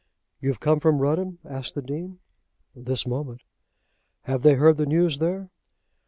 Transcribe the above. "You've come from Rudham?" asked the Dean. "This moment." "Have they heard the news there?"